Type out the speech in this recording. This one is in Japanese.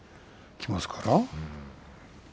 きますから。